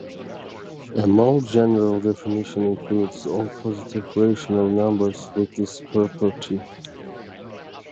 A more general definition includes all positive rational numbers with this property.